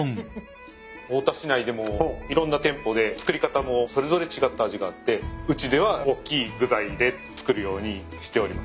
太田市内でもいろんな店舗で作り方もそれぞれ違った味があってうちではおっきい具材で作るようにしております。